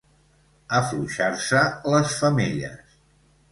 Afluixar-se les femelles.